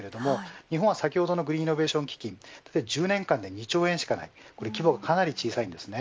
日本は先ほどのグリーンイノベーション基金で１０年間で２兆円しかなくかなり規模が小さいです。